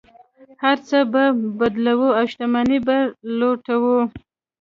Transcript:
هر څه به بدلوي او شتمنۍ به یې لوټوي.